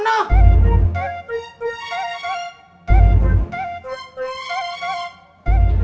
emang lo makan sejauh ini